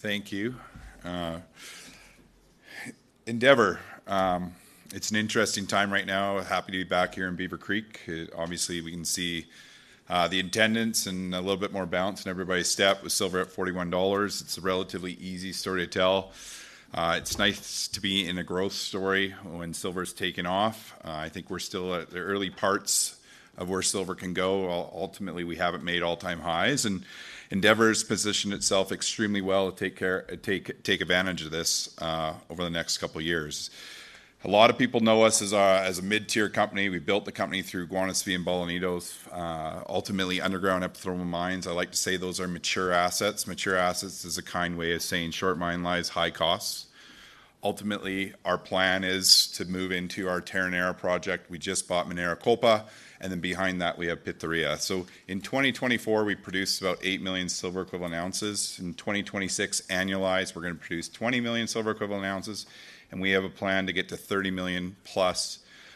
Thank you. Endeavour, it's an interesting time right now. Happy to be back here in Beaver Creek. Obviously, we can see the attendance and a little bit more bounce in everybody's step. silver at $41. It's a relatively easy story to tell. It's nice to be in a growth story when silver's taking off. I think we're still at the early parts of where silver can go. Ultimately, we haven't made all-time highs, and Endeavour's positioned itself extremely well to take advantage of this over the next couple of years. A lot of people know us as a mid-tier company. We built the company through Guanaceví and Bolañitos, ultimately underground epithermal mines. I like to say those are mature assets. Mature assets is a kind way of saying short mine lives, high costs. Ultimately, our plan is to move into our Terronera project. We just bought Minera Kolpa, and then behind that we have Pitarrilla. So in 2024, we produced about 8 million silver equivalent ounces. In 2026, annualized, we're going to produce 20 million silver equivalent ounces, and we have a plan to get to 30 million+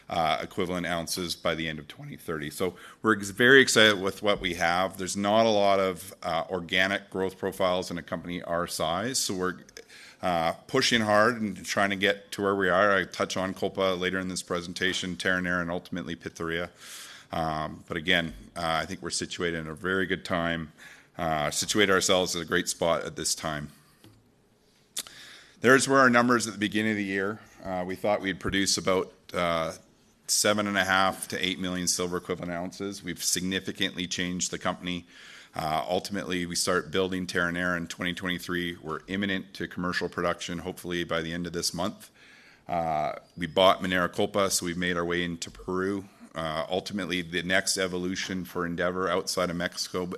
equivalent ounces by the end of 2030. So we're very excited with what we have. There's not a lot of organic growth profiles in a company our size, so we're pushing hard and trying to get to where we are. I'll touch on Kolpa later in this presentation, Terronera, and ultimately Pitarrilla. But again, I think we're situated in a very good time, situated ourselves at a great spot at this time. There's where our numbers at the beginning of the year. We thought we'd produce about 7.5 million-8 million silver equivalent ounces. We've significantly changed the company. Ultimately, we start building Terronera in 2023. We're imminent to commercial production, hopefully by the end of this month. We bought Compañía Minera Kolpa, so we've made our way into Peru. Ultimately, the next evolution for Endeavour outside of Mexico,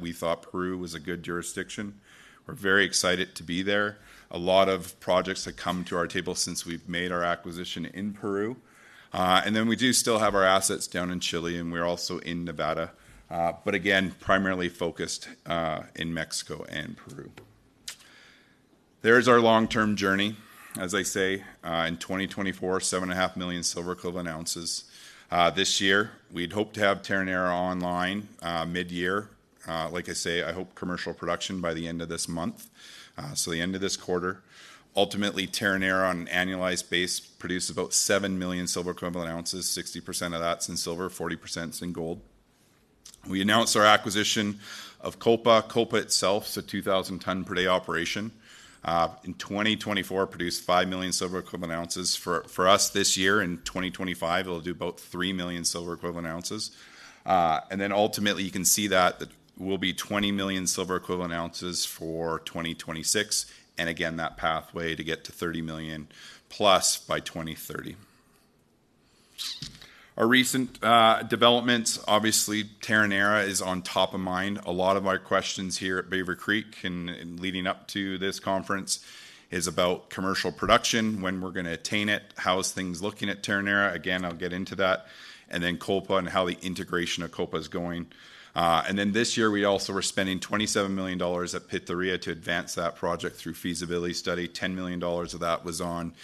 we thought Peru was a good jurisdiction. We're very excited to be there. A lot of projects have come to our table since we've made our acquisition in Peru, and then we do still have our assets down in Chile, and we're also in Nevada, but again, primarily focused in Mexico and Peru. There's our long-term journey. As I say, in 2024, 7.5 million silver equivalent ounces. This year, we'd hope to have Terronera online mid-year. Like I say, I hope commercial production by the end of this month, so the end of this quarter. Ultimately, Terronera on an annualized basis produces about 7 million silver equivalent ounces, 60% of that's in silver, 40% in gold. We announced our acquisition of Kolpa, Kolpa itself, a 2,000-ton-per-day operation. In 2024, it produced 5 million silver equivalent ounces. For us this year, in 2025, it'll do about 3 million silver equivalent ounces. Then ultimately, you can see that we'll be 20 million silver equivalent ounces for 2026, and again, that pathway to get to 30 million+ by 2030. Our recent developments, obviously, Terronera is top of mind. A lot of our questions here at Beaver Creek and leading up to this conference are about commercial production, when we're going to attain it, how things are looking at Terronera. Again, I'll get into that. Then Kolpa and how the integration of Kolpa is going. Then this year, we also were spending $27 million at Pitarrilla to advance that project through feasibility study. $10 million of that was on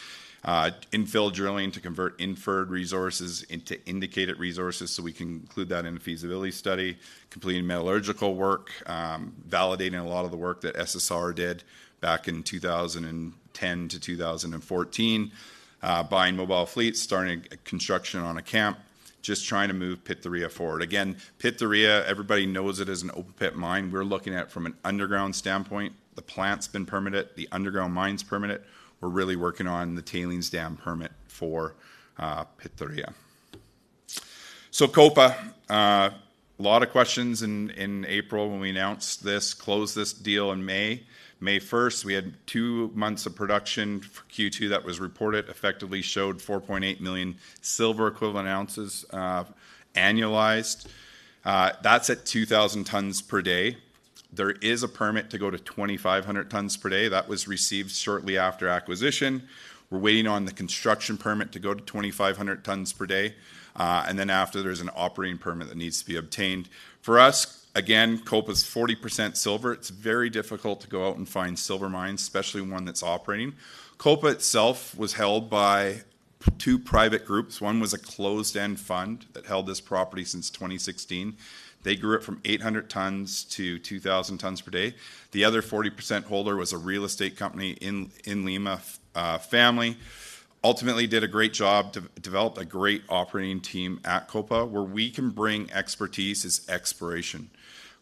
infill drilling to convert inferred resources into indicated resources, so we can include that in a feasibility study, completing metallurgical work, validating a lot of the work that SSR did back in 2010-2014, buying mobile fleets, starting construction on a camp, just trying to move Pitarrilla forward. Again, Pitarrilla, everybody knows it as an open-pit mine. We're looking at it from an underground standpoint. The plant's been permitted, the underground mine's permitted. We're really working on the tailings dam permit for Pitarrilla. So, Kolpa, a lot of questions in April when we announced this, closed this deal in May. May 1st, we had two months of production for Q2 that was reported, effectively showed 4.8 million silver equivalent ounces annualized. That's at 2,000 tons per day. There is a permit to go to 2,500 tons per day. That was received shortly after acquisition. We're waiting on the construction permit to go to 2,500 tons per day, and then after, there's an operating permit that needs to be obtained. For us, again, Kolpa's 40% silver. It's very difficult to go out and find silver mines, especially one that's operating. Kolpa itself was held by two private groups. One was a closed-end fund that held this property since 2016. They grew it from 800 tons to 2,000 tons per day. The other 40% holder was a real estate company in Lima family. Ultimately, did a great job to develop a great operating team at Kolpa. Where we can bring expertise is exploration.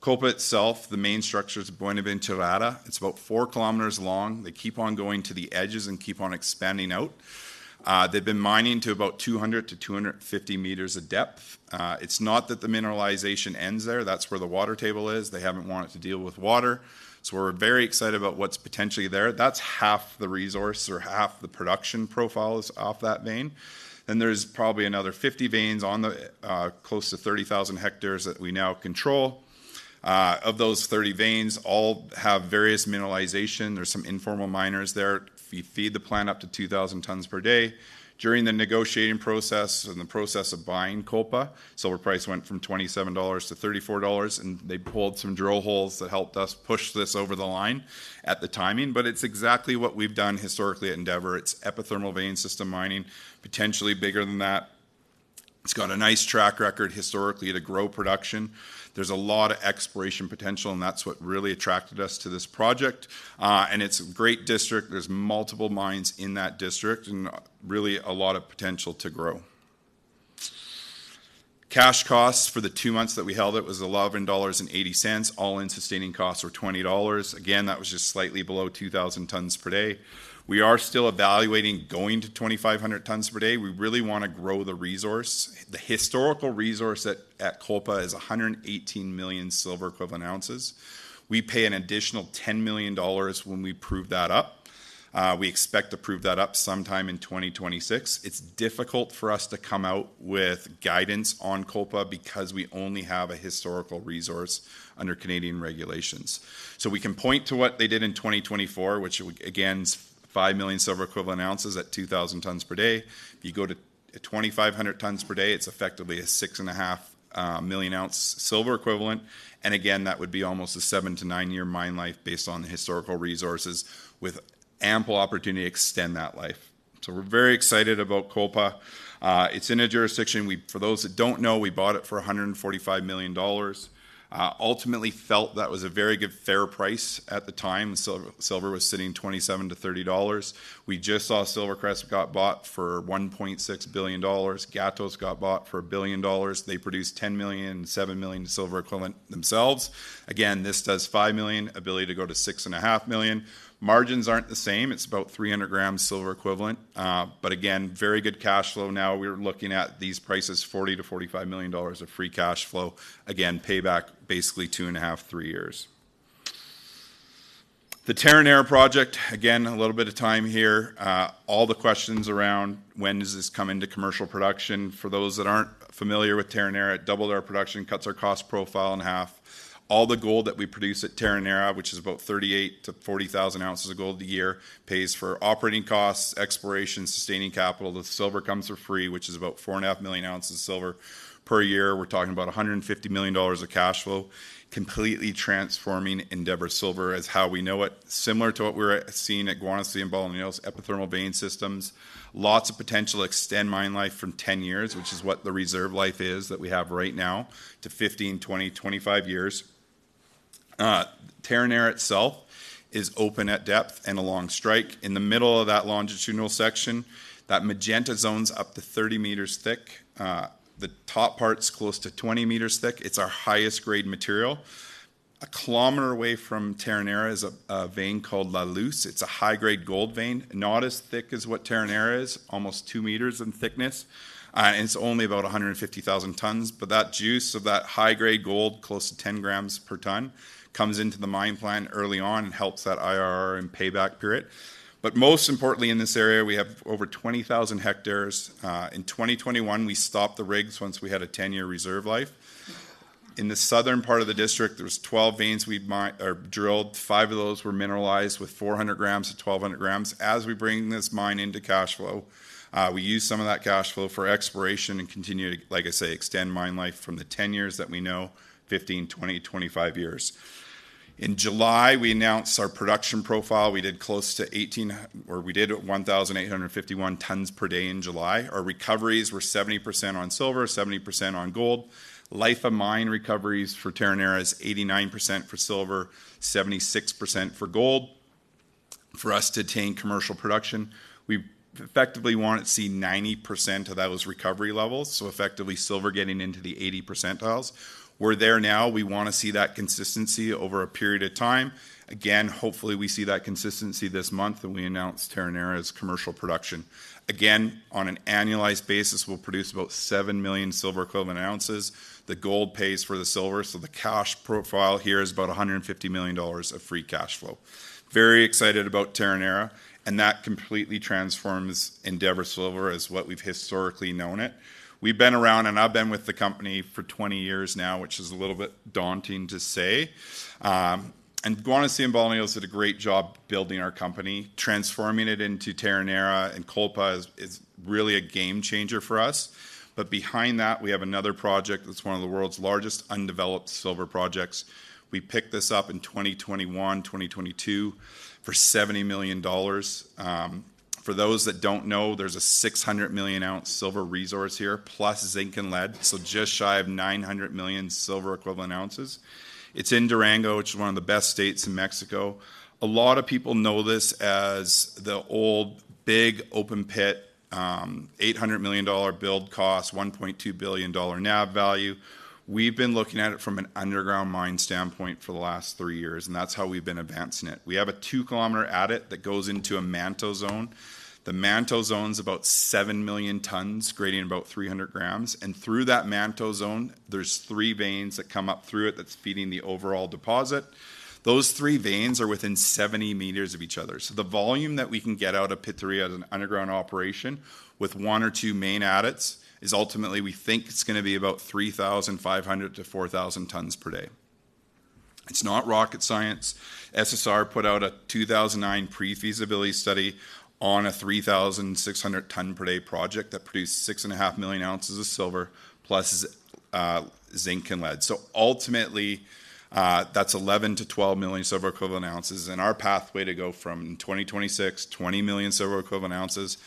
Kolpa itself, the main structure is Buenaventura. It's about 4 km long. They keep on going to the edges and keep on expanding out. They've been mining to about 200m-250m of depth. It's not that the mineralization ends there. That's where the water table is. They haven't wanted to deal with water. So we're very excited about what's potentially there. That's half the resource or half the production profiles off that vein. Then there's probably another 50 veins on the close to 30,000 ha that we now control. Of those 30 veins, all have various mineralization. There's some informal miners there. We feed the plant up to 2,000 tons per day. During the negotiating process and the process of buying Kolpa, silver price went from $27 to $34, and they pulled some drill holes that helped us push this over the line at the timing. But it's exactly what we've done historically at Endeavour. It's epithermal vein system mining, potentially bigger than that. It's got a nice track record historically to grow production. There's a lot of exploration potential, and that's what really attracted us to this project. It's a great district. There's multiple mines in that district and really a lot of potential to grow. Cash costs for the two months that we held it was $11.80. All-in sustaining costs were $20. Again, that was just slightly below 2,000 tons per day. We are still evaluating going to 2,500 tons per day. We really want to grow the resource. The historical resource at Kolpa is 118 million silver equivalent ounces. We pay an additional $10 million when we prove that up. We expect to prove that up sometime in 2026. It's difficult for us to come out with guidance on Kolpa because we only have a historical resource under Canadian regulations. We can point to what they did in 2024, which again is 5 million silver equivalent ounces at 2,000 tons per day. If you go to 2,500 tons per day, it's effectively a 6.5 million ounce silver equivalent. And again, that would be almost a 7-9 year mine life based on the historical resources with ample opportunity to extend that life. We're very excited about Kolpa. It's in a jurisdiction. For those that don't know, we bought it for $145 million. Ultimately, felt that was a very good fair price at the time. Silver was sitting $27-$30. We just saw SilverCrest got bought for $1.6 billion. Gatos got bought for $1 billion. They produced 10 million-7 million silver equivalent themselves. Again, this does 5 million, ability to go to 6.5 million. Margins aren't the same. It's about 300 g silver equivalent. But again, very good cash flow now. We're looking at these prices, $40 million-$45 million of free cash flow. Again, payback basically two and a half, three years. The Terronera project, again, a little bit of time here. All the questions around when does this come into commercial production. For those that aren't familiar with Terronera, it doubled our production, cuts our cost profile in half. All the gold that we produce at Terronera, which is about 38,000 oz-40,000 oz of gold a year, pays for operating costs, exploration, sustaining capital. The silver comes for free, which is about 4.5 million ounces of silver per year. We're talking about $150 million of cash flow. Completely transforming Endeavour Silver as how we know it. Similar to what we were seeing at Guanaceví and Bolañitos' epithermal vein systems. Lots of potential to extend mine life from 10 years, which is what the reserve life is that we have right now, to 15, 20, 25 years. Terronera itself is open at depth and a long strike. In the middle of that longitudinal section, that magenta zone's up to 30 m thick. The top part's close to 20 m thick. It's our highest grade material. 1 km away from Terronera is a vein called La Luz. It's a high-grade gold vein. Not as thick as what Terronera is, almost 2 m in thickness. And it's only about 150,000 tons. But that juice of that high-grade gold, close to 10 g per ton, comes into the mine plan early on and helps that IRR and payback period. But most importantly, in this area, we have over 20,000 ha. In 2021, we stopped the rigs once we had a 10-year reserve life. In the southern part of the district, there's 12 veins we've drilled. Five of those were mineralized with 400 g-1,200 g. As we bring this mine into cash flow, we use some of that cash flow for exploration and continue, like I say, extend mine life from the 10 years that we know, 15, 20, 25 years. In July, we announced our production profile. We did close to 18 or we did 1,851 tons per day in July. Our recoveries were 70% on silver, 70% on gold. Life of mine recoveries for Terronera is 89% for silver, 76% for gold. For us to attain commercial production, we effectively want to see 90% of that was recovery levels. So effectively, silver getting into the 80 percentiles. We're there now. We want to see that consistency over a period of time. Again, hopefully we see that consistency this month that we announced Terronera's commercial production. Again, on an annualized basis, we'll produce about 7 million silver equivalent ounces. The gold pays for the silver, so the cash profile here is about $150 million of free cash flow. Very excited about Terronera. That completely transforms Endeavour Silver as what we've historically known it. We've been around, and I've been with the company for 20 years now, which is a little bit daunting to say. Guanaceví and Bolañitos did a great job building our company. Transforming it into Terronera and Kolpa is really a game changer for us. Behind that, we have another project that's one of the world's largest undeveloped silver projects. We picked this up in 2021, 2022 for $70 million. For those that don't know, there's a 600 million ounce silver resource here, plus zinc and lead. So just shy of 900 million silver equivalent ounces. It's in Durango, which is one of the best states in Mexico. A lot of people know this as the old big open-pit, $800 million build cost, $1.2 billion NAV value. We've been looking at it from an underground mine standpoint for the last three years, and that's how we've been advancing it. We have a 2 km adit that goes into a manto zone. The manto zone's about 7 million tons, grading about 300 g, and through that manto zone, there's three veins that come up through it that's feeding the overall deposit. Those three veins are within 70 m of each other. So the volume that we can get out of Pitarrilla as an underground operation with one or two main adits is ultimately, we think it's going to be about 3,500 tons-4,000 tons per day. It's not rocket science. SSR put out a 2009 pre-feasibility study on a 3,600 ton per day project that produced 6.5 million ounces of silver plus zinc and lead. So ultimately, that's 11 million-12 million silver equivalent ounces. And our pathway to go from 2026, 20 million silver equivalent ounces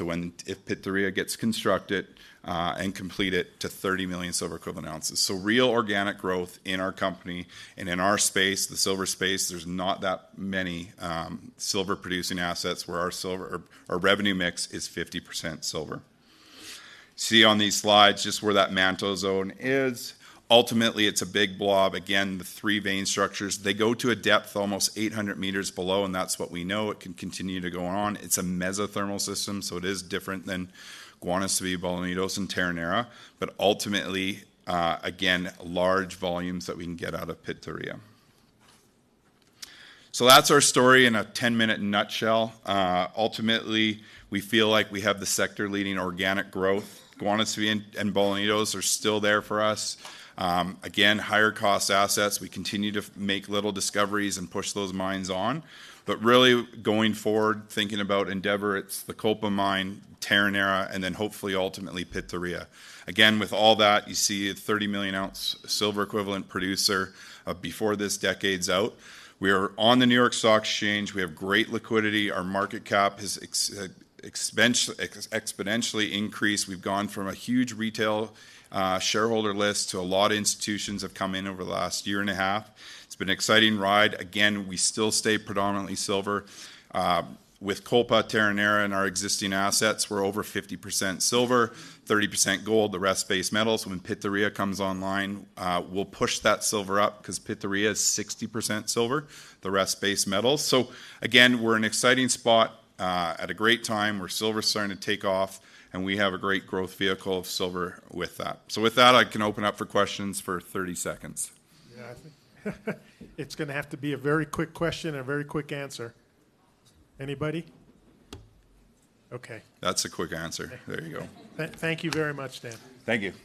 to when Pitarrilla gets constructed and completed to 30 million silver equivalent ounces. So real organic growth in our company and in our space, the silver space, there's not that many silver producing assets where our revenue mix is 50% silver. See on these slides just where that manto zone is. Ultimately, it's a big blob. Again, the three vein structures, they go to a depth almost 800 m below, and that's what we know. It can continue to go on. It's a mesothermal system, so it is different than Guanaceví, Bolañitos, and Terronera. But ultimately, again, large volumes that we can get out of Pitarrilla. So that's our story in a 10-minute nutshell. Ultimately, we feel like we have the sector leading organic growth. Guanaceví and Bolañitos are still there for us. Again, higher cost assets. We continue to make little discoveries and push those mines on. But really going forward, thinking about Endeavour, it's the Kolpa mine, Terronera, and then hopefully ultimately Pitarrilla. Again, with all that, you see a 30 million ounce silver equivalent producer before this decade's out. We are on the New York Stock Exchange. We have great liquidity. Our market cap has exponentially increased. We've gone from a huge retail shareholder list to a lot of institutions have come in over the last year and a half. It's been an exciting ride. Again, we still stay predominantly silver. With Kolpa, Terronera, and our existing assets, we're over 50% silver, 30% gold, the rest base metals. When Pitarrilla comes online, we'll push that silver up because Pitarrilla is 60% silver, the rest base metals. So again, we're in an exciting spot at a great time where silver's starting to take off, and we have a great growth vehicle of silver with that. So with that, I can open up for questions for 30 seconds. Yeah, I think it's going to have to be a very quick question and a very quick answer. Anybody? Okay. That's a quick answer. There you go. Thank you very much, Dan. Thank you.